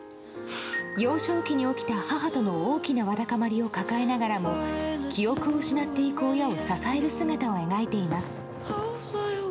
幼少期に起きた母との大きなわだかまりを抱えながらも記憶を失っていく親を支える姿を描いています。